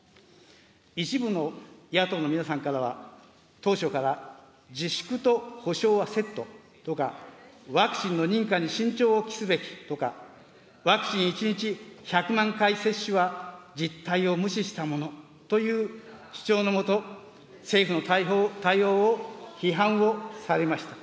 一部の野党の皆さんからは、当初から自粛と補償はセットとか、ワクチンの認可に慎重を期すべきとか、ワクチン１日１００万回接種は実態を無視したものという主張のもと、政府の対応を批判をされました。